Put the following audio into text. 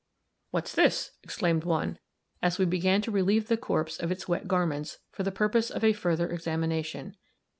"What's this?" exclaimed one, as we began to relieve the corpse of its wet garments, for the purpose of a further examination.